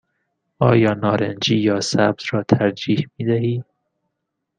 آیا نارنجی یا سبز را ترجیح می دهی؟